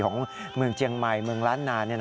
ของเมืองเจียงใหม่เมืองล้านนา